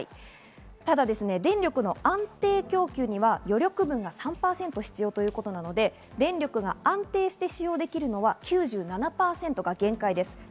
ただ電力の安定供給には余力分が３％必要ということなので電力が安定して使用できるのは９７％が限界です。